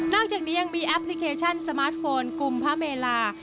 อกจากนี้ยังมีแอปพลิเคชันสมาร์ทโฟนกลุ่มพระเมลา